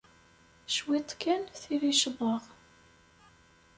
Cwiṭ kan, tili ccḍeɣ.